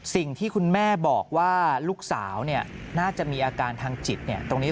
สิ่งที่คุณแม่บอกว่าลูกสาวน่าจะมีอาการทางจิตตรงนี้